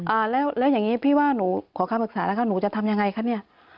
อ่าแล้วแล้วอย่างนี้พี่ว่าหนูขอคำปรึกษาแล้วคะหนูจะทำยังไงคะเนี่ย